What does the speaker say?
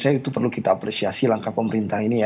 saya itu perlu kita apresiasi langkah pemerintah ini ya